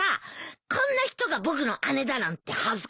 こんな人が僕の姉だなんて恥ずかしいったらないよ。